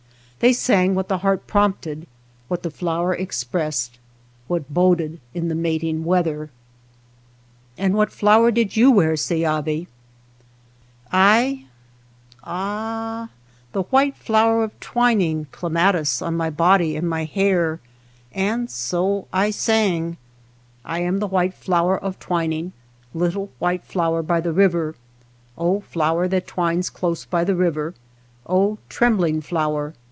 They sang what the heart prompted, what the flower expressed, what boded in the mating weather. 171 THE BASKET MAKER " And what flower did you wear, Se ^avi ?"/" I, ah, — the white flower of twining C (clematis), on my body and my hair, and so " I am the white flower of twining, Little white flower by the river, Oh, flower that twines close by the river; Oh, trembling flower